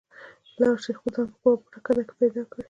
لاړ شئ خپل ځان په کومه پټه کنده کې پیدا کړئ.